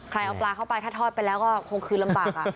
เอาปลาเข้าไปถ้าทอดไปแล้วก็คงคืนลำบาก